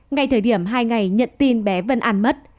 ngay thời điểm hai ngày nhận tin bé vân an mất